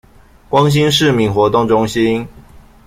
光興市民活動中心